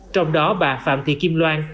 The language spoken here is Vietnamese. trong đó bà phạm thị kim loan